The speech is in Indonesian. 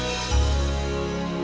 padahal kecemasanmu sudah hilang something